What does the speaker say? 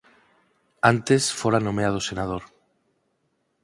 Antes fora nomeado senador.